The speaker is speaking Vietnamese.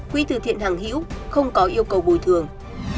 quý tử thiện hằng hiếu không có yêu cầu bồi thường